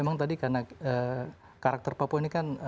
memang tadi karena karakter papua ini kan